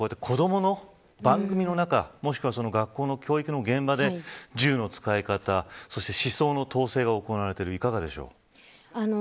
子どもの番組の中もしくは過去の教育の現場で銃の使い方や思想の統制が行われている、いかがですか。